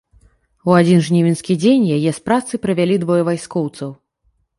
У адзін жнівеньскі дзень яе з працы прывялі двое вайскоўцаў.